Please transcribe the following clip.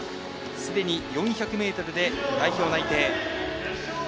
すでに４００ｍで代表内定。